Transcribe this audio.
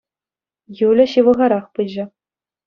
Юля ҫывӑхарах пычӗ.